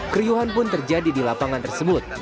keriuhan pun terjadi di lapangan tersebut